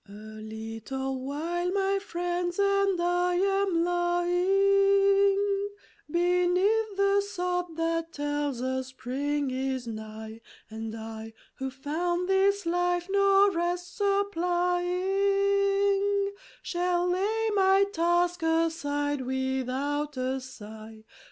A little while, my friends, and I am lying Beneath the sod that tells us Spring is nigh; And I, who've found this life no rest supplying, Shall lay my task aside without a sigh.